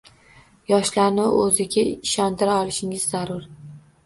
Yoshlarni o‘zingizga ishontira olishingiz zarur.